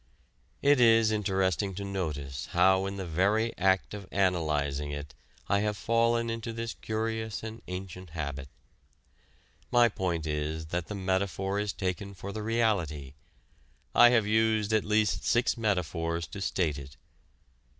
It is interesting to notice how in the very act of analyzing it I have fallen into this curious and ancient habit. My point is that the metaphor is taken for the reality: I have used at least six metaphors to state it.